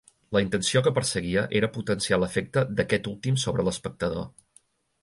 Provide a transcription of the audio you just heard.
La intenció que perseguia era potenciar l'efecte d'aquest últim sobre l'espectador.